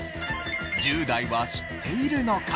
１０代は知っているのか？